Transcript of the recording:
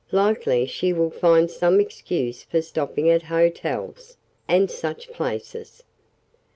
"Likely she will find some excuse for stopping at hotels, and such places.